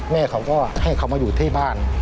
แม่เขาก็ให้เขามาอยู่ที่บ้าน